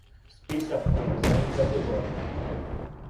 Списак повезаних категорија